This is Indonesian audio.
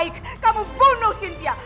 lebih baik kamu bunuh cynthia